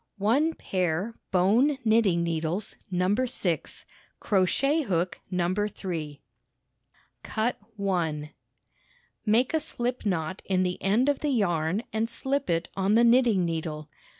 One pair bone knitting needles No. 6, crochet hook No. 3. Cut 1 1. Make a sHp knot in the end of the yarn and slip it on the knitting needle.